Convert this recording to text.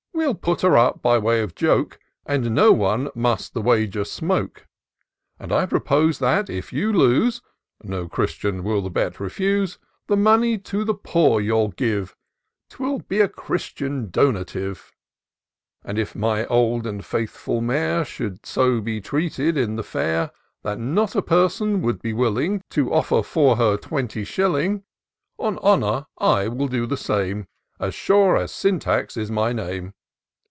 We'll put her up, by way of joke. But no one must the wager smoke : And I propose that, if you lose, (No Christian will the bet refiise) The money to the poor you'll give, 'Twill be a Christian donative : And if my old and faithful mare Should so be treated in the fair. That not a person would be willing To offer for her twenty shilling. On honour I will do the same, As sure as Syntax is my name.